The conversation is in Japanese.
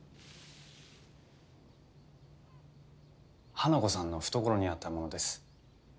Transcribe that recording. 花子さんの懐にあったものです。